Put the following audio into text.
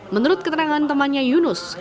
menurut keterangan temannya yunus